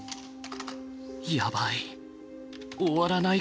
やばい終わらないかも。